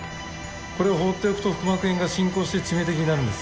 これを放っておくと腹膜炎が進行して致命的になるんです。